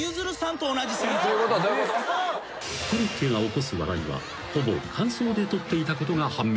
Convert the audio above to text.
［コロッケが起こす笑いはほぼ間奏で取っていたことが判明］